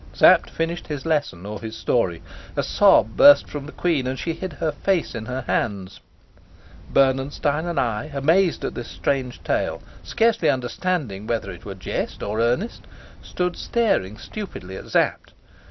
Sapt finished his lesson or his story. A sob burst from the queen, and she hid her face in her hands. Bernenstein and I, amazed at this strange tale, scarcely understanding whether it were jest or earnest, stood staring stupidly at Sapt.